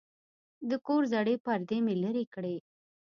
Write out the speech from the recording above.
د کور زړې پردې مې لرې کړې.